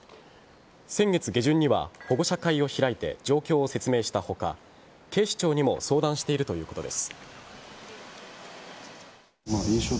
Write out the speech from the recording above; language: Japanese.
先月下旬には、保護者会を開いて状況を説明した他警視庁にも相談しているということです。